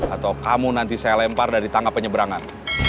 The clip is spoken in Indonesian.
atau kamu nanti saya lempar dari tangga penyebrangan